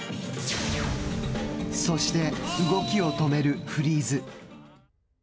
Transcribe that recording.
そして、動きを止めるフリーズ。